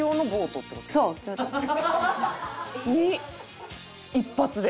に一発で？